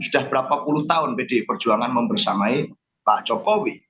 sudah berapa puluh tahun pdi perjuangan membersamai pak jokowi